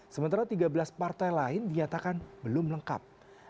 sementara tiga belas partai lain dinyatakan belum lengkap